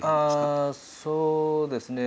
ああそうですね。